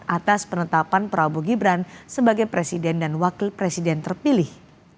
atas penetapan prabowo gibran sebagai presiden dan wakil presiden terpilih